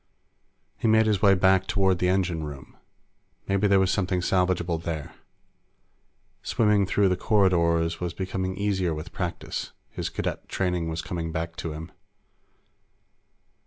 He made his way back toward the engine room. Maybe there was something salvageable there. Swimming through the corridors was becoming easier with practice; his Cadet training was coming back to him.